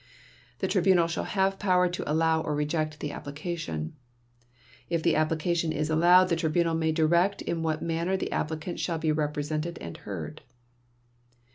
The Tribunal shall have power to allow or reject the application. If the application is allowed, the Tribunal may direct in what manner the applicants shall be represented and heard."